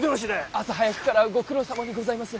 朝早くからご苦労さまにございます。